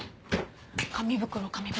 紙袋紙袋。